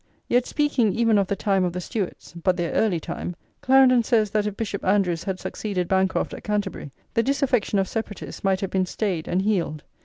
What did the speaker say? Yet speaking even of the time of the Stuarts, but their early time, Clarendon says that if Bishop Andrewes had succeeded Bancroft at Canterbury, the disaffection of separatists might have been stayed and healed.